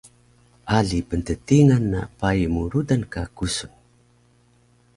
Ali pnttingan na pai mu rudan ka kusun